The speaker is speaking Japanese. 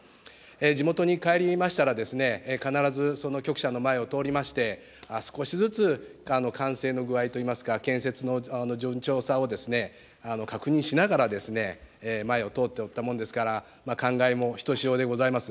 地元に帰りましたら、必ずその局舎の前を通りまして、少しずつ完成の具合といいますか、建設の順調さを確認しながら、前を通っておったもんですから、感慨もひとしおでございます。